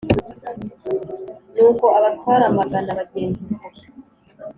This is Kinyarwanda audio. Nuko abatware amagana bagenza uko.